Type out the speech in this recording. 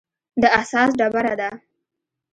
د اساس ډبره ده.